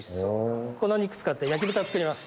この肉使って焼豚を作ります！